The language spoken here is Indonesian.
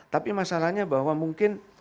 tapi masalahnya bahwa mungkin